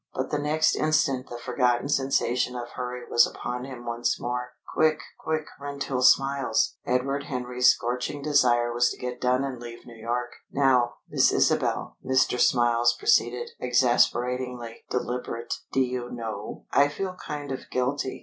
But the next instant the forgotten sensation of hurry was upon him once more. Quick, quick, Rentoul Smiles! Edward Henry's scorching desire was to get done and leave New York. "Now, Miss Isabel," Mr. Smiles proceeded, exasperatingly deliberate, "d'you know, I feel kind of guilty?